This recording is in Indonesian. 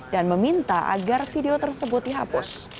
dan meminta agar video tersebut dihapus